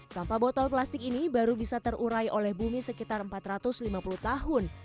sampah botol plastik ini baru bisa terurai oleh bumi sekitar empat ratus lima puluh tahun